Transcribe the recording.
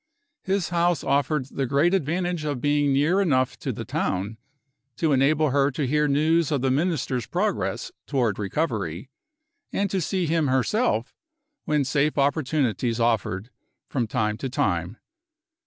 His house offered the great advantage of being near enough to the town to enable her to hear news of the Minister's progress toward recovery, and to see him herself when safe opportunities offered, from time to time.